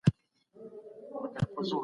زموږ په خاوره کې هنر شته.